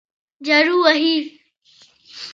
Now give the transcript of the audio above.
جارو وهي.